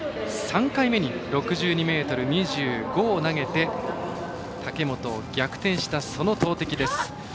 ３回目に６２ｍ２５を投げて武本を逆転した、その投てきです。